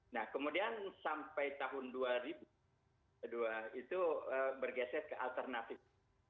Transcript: nah kemudian sampai tahun dua ribu dua itu bergeser ke alternatif